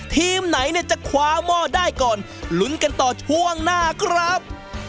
ทีมไหนเนี่ยจะคว้าหม้อได้ก่อนลุ้นกันต่อช่วงหน้าครับ